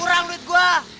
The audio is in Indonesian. kurang duit gua